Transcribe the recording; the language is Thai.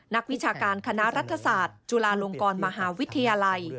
วิชาการคณะรัฐศาสตร์จุฬาลงกรมหาวิทยาลัย